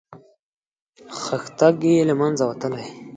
خښتګ یې له منځه وتلی.